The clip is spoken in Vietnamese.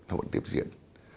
nó vẫn tiếp diễn